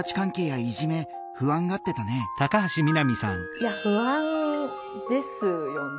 いや不安ですよね。